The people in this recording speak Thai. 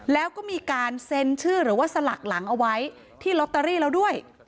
แล้วก็มีการเซ็นชื่อหรือว่าสลักหลังเอาไว้ที่ลอตเตอรี่แล้วด้วย